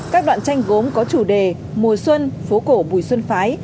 các đoạn tranh gốm có chủ đề mùa xuân phố cổ bùi xuân phái